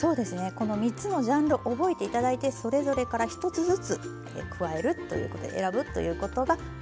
この３つのジャンル覚えて頂いてそれぞれから１つずつ加えるということ選ぶということがポイントになります。